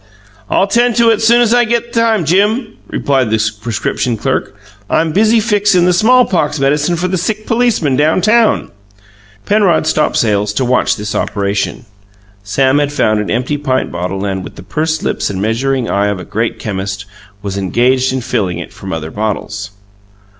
"I'll 'tend to it soon's I get time, Jim," replied the prescription clerk. "I'm busy fixin' the smallpox medicine for the sick policeman downtown." Penrod stopped sales to watch this operation. Sam had found an empty pint bottle and, with the pursed lips and measuring eye of a great chemist, was engaged in filling it from other bottles.